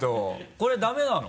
これダメなの？